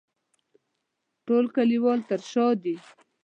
ټول کلیوال تر شا دي.